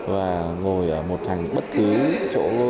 và ngồi ở một hàng bất cứ chỗ